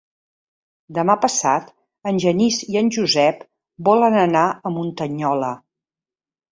Demà passat en Genís i en Josep volen anar a Muntanyola.